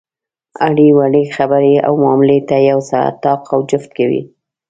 علي وړې خبرې او معاملې ته یو ساعت طاق او جفت کوي.